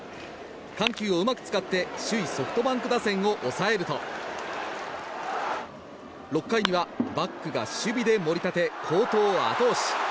緩急をうまく使って首位ソフトバンク打線を抑えると６回にはバックが守備で盛り立て好投を後押し。